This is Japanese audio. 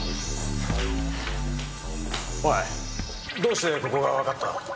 おいどうしてここがわかった？